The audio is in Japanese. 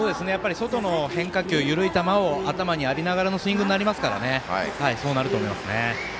外の変化球緩い球を頭にありがならのスイングになりますからそうなると思いますね。